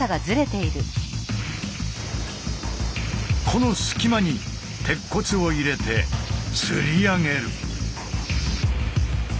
この隙間に鉄骨を入れて吊り上げる。